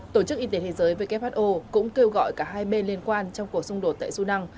tổ chức y tế thế giới who cũng kêu gọi cả hai bên liên quan trong cuộc xung đột tại sudan